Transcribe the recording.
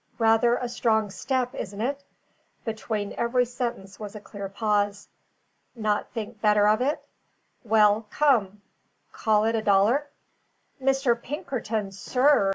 "Rather a strong step, isn't it?" (Between every sentence was a clear pause.) "Not think better of it? Well, come call it a dollar?" "Mr. Pinkerton, sir!"